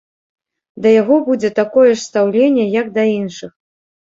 Да яго будзе такое ж стаўленне, як да іншых.